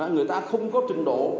người ta không có trình độ